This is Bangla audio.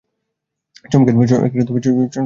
চমকে গেলে, তাই না?